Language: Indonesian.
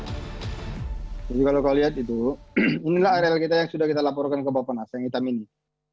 jadi kalau kau lihat itu inilah areal kita yang sudah kita laporkan ke bpn yang hitam ini